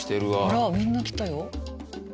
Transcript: あらみんな来たよ。